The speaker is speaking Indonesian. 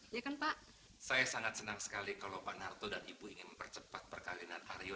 ya kan pak saya sangat senang sekali kalau pak narto dan ibu ingin mempercepat perkawinan aryo